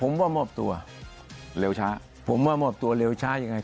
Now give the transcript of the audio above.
ผมว่ามอบตัวเร็วช้าผมว่ามอบตัวเร็วช้ายังไง